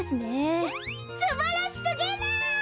すばらしすぎる！